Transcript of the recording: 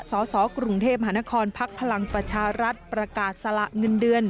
สสกรุงเทพมหานครพักพลังประชารัฐประกาศสละเงินเดือน